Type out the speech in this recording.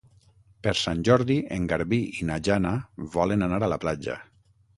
Per Sant Jordi en Garbí i na Jana volen anar a la platja.